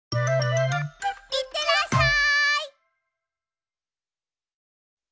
いってらっしゃい！